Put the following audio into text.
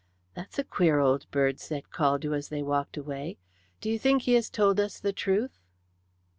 "That's a queer old bird," said Caldew, as they walked away. "Do you think he has told us the truth?"